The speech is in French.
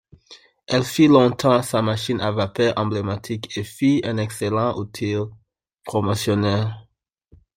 Elle fut longtemps sa machine à vapeur emblématique et fut un excellent outil promotionnel.